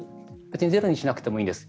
別にゼロにしなくてもいいんです。